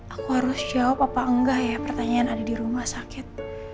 aku harus jawab apa enggak ya pertanyaan ada di rumah sakit